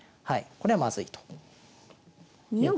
これはまずいと。